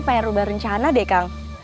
pengen ubah rencana deh kang